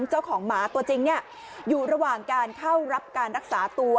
เจ้าของหมาตัวจริงอยู่ระหว่างการเข้ารับการรักษาตัว